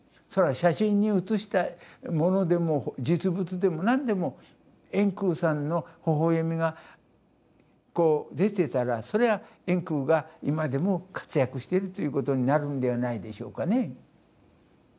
それは写真に写したものでも実物でも何でも円空さんのほほえみがこう出てたらそれは円空が今でも活躍してるということになるんではないでしょうかね。